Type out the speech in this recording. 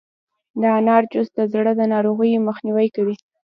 د انار جوس د زړه د ناروغیو مخنیوی کوي.